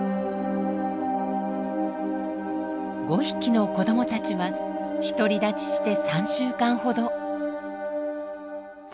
５匹の子どもたちは独り立ちして３週間ほど。